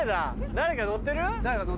誰か乗ってる？せの。